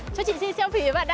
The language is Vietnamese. chúc hai bạn hãy chơi vui vẻ nhé